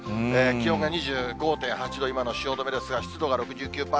気温が２５．８度、今の汐留ですが、湿度が６９％。